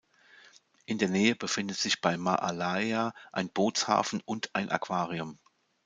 In der Nähe befindet sich bei Māʻalaea ein Bootshafen und ein Aquarium.